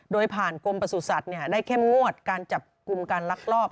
โดยผ่านกรมประสุทธิ์สัตว์ได้แค่งวดการจับกลุ่มการรักรอบ